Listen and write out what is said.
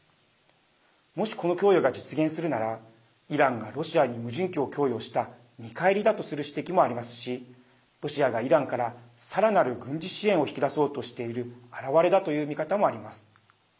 もし、この供与が実現するならイランがロシアに無人機を供与した見返りだとする指摘もありますしロシアがイランからさらなる軍事支援を引き出そうとしている表れだという見方もあります。